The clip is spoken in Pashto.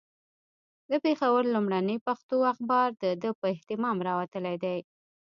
د پېښور لومړنی پښتو اخبار د ده په اهتمام راوتلی دی.